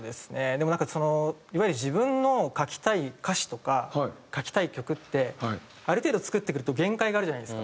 でもなんかそのいわゆる自分の書きたい歌詞とか書きたい曲ってある程度作ってくると限界があるじゃないですか。